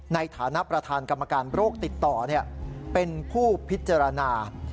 ในฐานะประธานกรรมการโรคติดต่อเป็นผู้พิจารณา